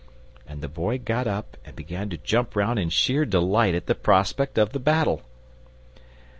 And the Boy got up and began to jump round in sheer delight at the prospect of the battle.